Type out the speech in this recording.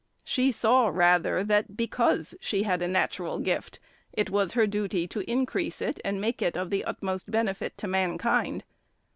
She saw rather that because she had a natural gift it was her duty to increase it and make it of the utmost benefit to mankind.